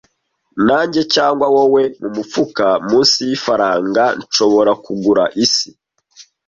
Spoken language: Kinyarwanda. Nanjye cyangwa wowe mu mufuka munsi yifaranga nshobora kugura isi,